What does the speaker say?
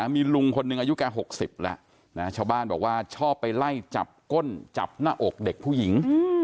มีลุงคนหนึ่งอายุแก๖๐แล้วนะชาวบ้านบอกว่าชอบไปไล่จับก้นจับหน้าอกเด็กผู้หญิง